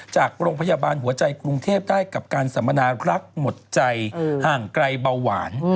จากโรงพยาบาลหัวใจกรุงเทพได้กับการสัมมนารักหมดใจห่างไกลเบาหวาน